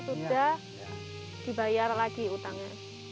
sudah dibayar lagi utangnya